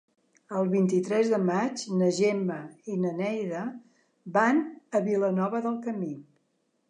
El vint-i-tres de maig na Gemma i na Neida van a Vilanova del Camí.